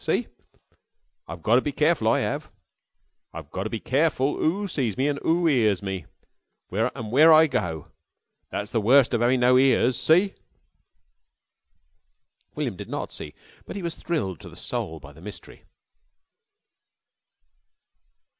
See? I've gotter be careful, I 'ave. I've gotter be careful 'oo sees me an' 'oo 'ears me, and where I go. That's the worst of 'aving no ears. See?" William did not see, but he was thrilled to the soul by the mystery.